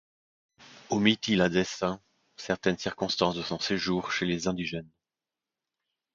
Omit-il à dessein certaine circonstance de son séjour chez les indigènes?